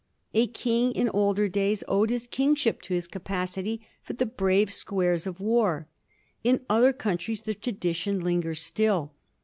A king in older days owed his kingship to his capacity for the brave squares of war. In other countries the tradition lingers still.